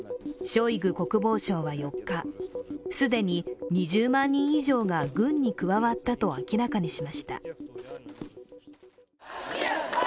ショイグ国防相は４日、既に２０万人以上が軍に加わったと明らかにしました。